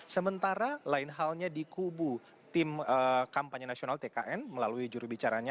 sementara lain halnya dikubu tim kampanye nasional tkn melalui juru bicaranya